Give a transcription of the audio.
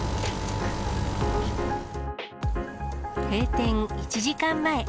閉店１時間前。